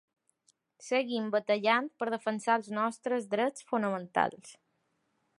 Seguim batallant per defensar els nostres drets fonamentals.